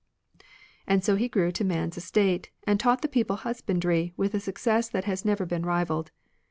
And so he grew to man's estate, of^o?Chl. *^d taught the people husbandry, with a success that has never been rivalled.